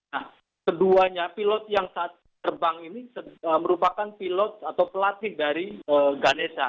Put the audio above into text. nah keduanya pilot yang saat terbang ini merupakan pilot atau pelatih dari ganesha